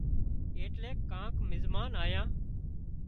ايٽليڪ ڪانڪ مزمان آيان